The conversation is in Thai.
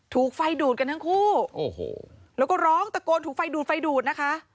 ถูกไฟดูดกันทั้งคู่โอ้โหแล้วก็ร้องตะโกนถูกไฟดูดไฟดูดนะคะ